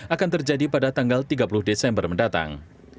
akan terjadi pada tanggal tiga puluh desember mendatang